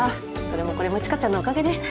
それもこれも知花ちゃんのおかげね。